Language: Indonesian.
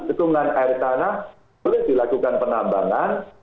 cekungan air tanah boleh dilakukan penambangan